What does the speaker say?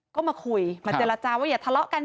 ก็มาคุยมาเจรจาว่าอย่าทะเลาะกัน